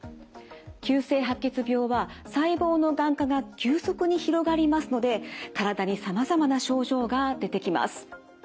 急性白血病は細胞のがん化が急速に広がりますので体にさまざまな症状が出てきます。